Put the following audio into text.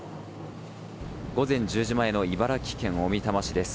午前１０時前の茨城県小美玉市です。